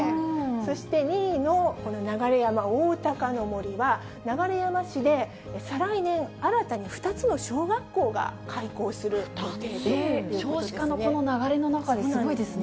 そして、２位のこの流山おおたかの森は、流山市で再来年、新たに２つの小学校が開校する予定ということですね。